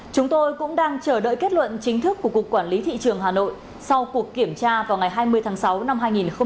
chúng tôi cũng đang chờ đợi kết luận chính thức của cục quản lý thị trường hà nội sau cuộc kiểm tra vào ngày hai mươi tháng sáu năm hai nghìn hai mươi